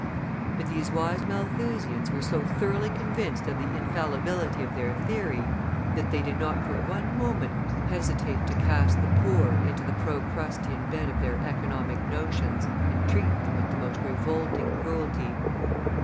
But these wise Malthusians were so thoroughly convinced of the infallibility of their theory that they did not for one moment hesitate to cast the poor into the Procrustean bed of their economic notions and treat them with the most revolting cruelty.